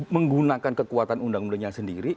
menggunakan kekuatan undang undangnya sendiri